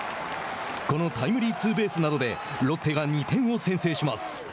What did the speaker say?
このタイムリーツーベースなどでロッテが２点を先制します。